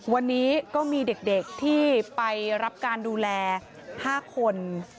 วันนี้ก็มีเด็กที่ไปรับการดูแล๕คน